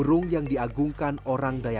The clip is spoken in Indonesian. seorang tetua adat mendorongnya